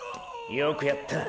よくやった！！